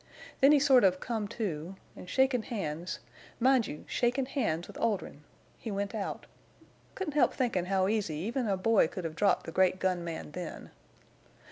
Then he sort of come to, an' shakin' hands—mind you, shakin' hands with Oldrin'—he went out. I couldn't help thinkin' how easy even a boy could hev dropped the great gun man then!...